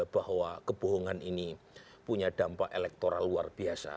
bahwa kebohongan ini punya dampak elektoral luar biasa